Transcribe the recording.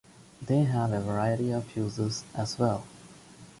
They have a variety of uses, as well.